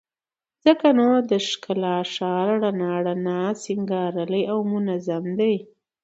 ځکه نو د ښکلا ښار رڼا رڼا، سينګارلى او منظم دى